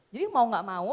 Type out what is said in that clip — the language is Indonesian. jadi mau gak mau